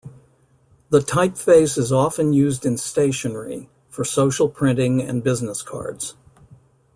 The typeface is often used in stationery, for social printing and business cards.